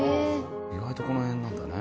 意外とこの辺なんだね。